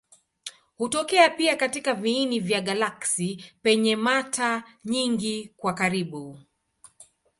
Hutokea pia katika viini vya galaksi penye mata nyingi kwa karibu.